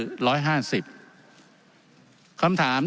คำถามที่คุณคิดเยอะมั้ยครับ